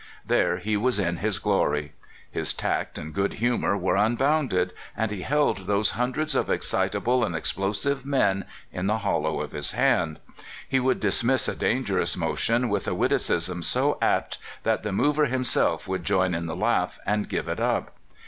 There he was in his glor} . His tact and good humor were unbounded, and he held those hundreds of excitable and explosive men in the hollow^ of his hand. He would dismiss a dangerous motion with a witticism so apt that the mover himself w^ould join in the laugh, and give it up.